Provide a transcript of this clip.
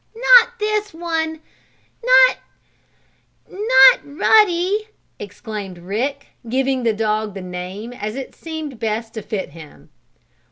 "Not this one not not Ruddy!" exclaimed Rick, giving the dog that name as it seemed best to fit him.